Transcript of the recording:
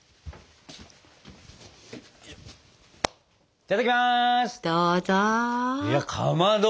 いただきます。